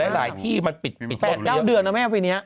หลายที่มันปิด๘๙เดือนแล้วแม่ปีนี้